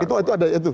itu ada di situ